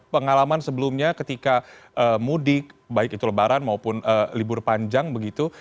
pengalaman sebelumnya ketika mudik baik itu lebaran maupun libur panjang begitu